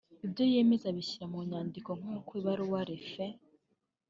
ibyo yemeza abishyira mu nyandiko nkuko ibaruwa Ref